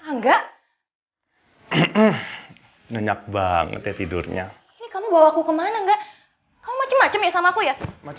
nenek banget ya tidurnya